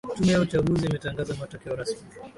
tume ya uchaguzi imetangaza matokeo rasmi